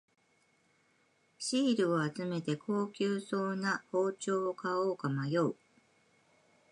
シールを集めて高級そうな包丁を買おうか迷う